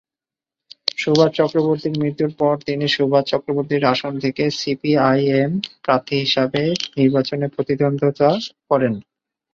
সুভাষ চক্রবর্তীর মৃত্যুর পর তিনি সুভাষ চক্রবর্তীর আসন থেকে সিপিআইএম প্রার্থী হিসেবে নির্বাচনে প্রতিদ্বন্দ্বিতা করেন।